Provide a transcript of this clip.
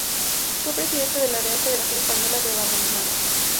Fue presidente de la Real Federación Española de Balonmano.